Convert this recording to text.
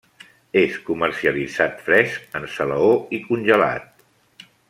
És comercialitzat fresc, en salaó i congelat.